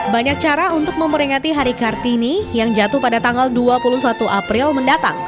banyak cara untuk memperingati hari kartini yang jatuh pada tanggal dua puluh satu april mendatang